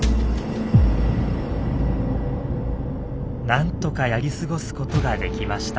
なんとかやり過ごすことができました。